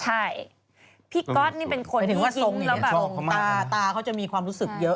ใช่พี่ก๊อตนี่เป็นคนที่ว่าซุ้มแล้วแบบตาตาเขาจะมีความรู้สึกเยอะ